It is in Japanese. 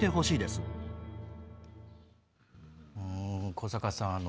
古坂さん